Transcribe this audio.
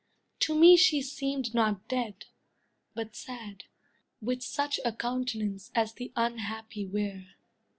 To me she seemed not dead, but sad, with such A countenance as the unhappy wear.